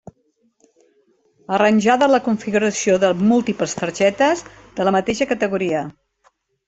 Arranjada la configuració de múltiples targetes de la mateixa categoria.